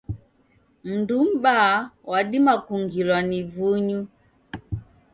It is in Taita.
Mndu m'baa wadima kungilwa ni vunyu.